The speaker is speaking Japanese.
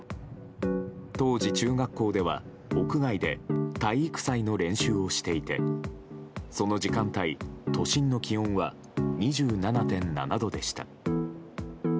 当時、中学校では屋外で体育祭の練習をしていてその時間帯、都心の気温は２７．７度でした。